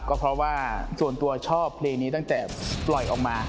ก็เพราะว่าส่วนตัวชอบเพลงนี้ตั้งแต่ปล่อยออกมา